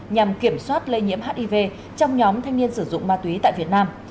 nhằm kiểm soát lây nhiễm hiv trong nhóm thanh niên sử dụng ma túy tại việt nam